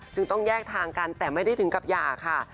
ต้องแยกทางกันแต่ไม่ได้ถึงกับหย่าค่ะ